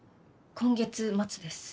今月末です。